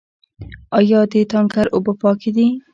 آیا د تانکر اوبه پاکې دي؟